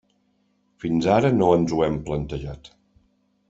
Fins ara no ens ho hem plantejat.